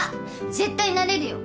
絶対なれるよ。